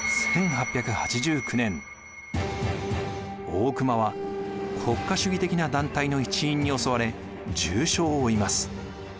大隈は国家主義的な団体の一員に襲われ重傷を負います。